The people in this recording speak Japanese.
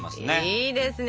いいですね。